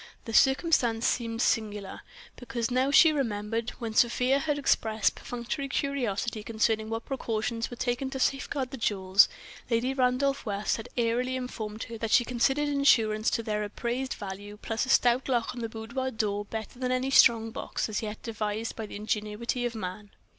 The circumstance seemed singular, because—now that she remembered—when Sofia had expressed perfunctory curiosity concerning what precautions were taken to safeguard the jewels, Lady Randolph West had airily informed her that she considered insurance to their appraised value plus a stout lock on the boudoir door better than any strong box as yet devised by the ingenuity of man.